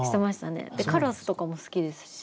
カラスとかも好きですし。